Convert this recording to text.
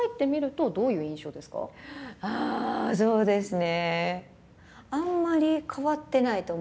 あそうですね。